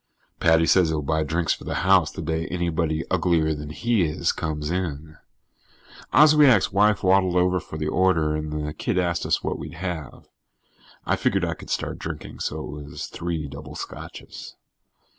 "Paddy says he'll buy drinks for the house the day anybody uglier than he is comes in." Oswiak's wife waddled over for the order and the kid asked us what we'd have. I figured I could start drinking, so it was three double scotches.